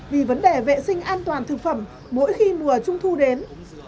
vì vấn đề vệ sinh an toàn thực phẩm mỗi khi mùa trung thu đến